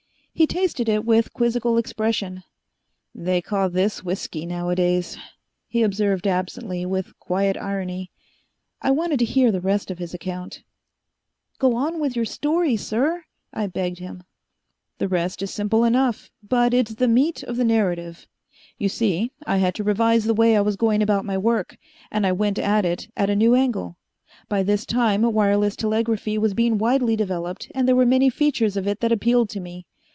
He tasted it with a quizzical expression. "They call this whisky nowadays!" he observed absently, with quiet irony. I wanted to hear the rest of his account. "Go on with your story, sir," I begged him. "The rest is simple enough but it's the meat of the narrative. You see, I had to revise the way I was going about my work, and I went at it at a new angle. By this time wireless telegraphy was being widely developed, and there were many features of it that appealed to me.